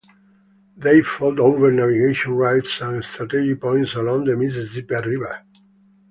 They fought over navigation rights and strategic points along the Mississippi River.